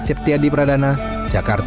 syepti adi pradana jakarta